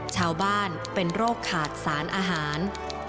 ชาวบ้านเป็นโรคขาดสารอาหาร